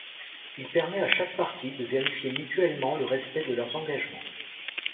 Il permet à chaque partie de vérifier mutuellement le respect de leurs engagements.